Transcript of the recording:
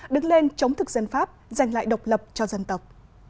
đứng lên chống thực dân pháp giành lại độc lập cho dân tộc